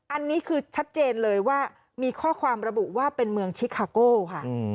อันนี้คือชัดเจนเลยว่ามีข้อความระบุว่าเป็นเมืองชิคาโก้ค่ะ